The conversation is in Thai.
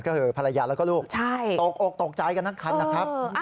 ก็คือภรรยาแล้วก็ลูกตกอกตกใจกันทั้งคันนะครับ